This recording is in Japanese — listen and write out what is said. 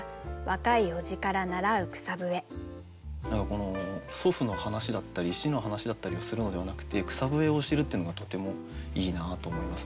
この祖父の話だったり死の話だったりをするのではなくて草笛を知るっていうのがとてもいいなと思いますね。